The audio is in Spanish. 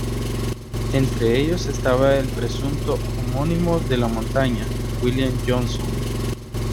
Entre ellos estaba el presunto homónimo de la montaña, William Johnson.